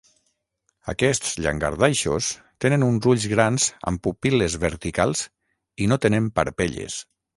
Aquests llangardaixos tenen uns ulls grans amb pupil·les verticals i no tenen parpelles.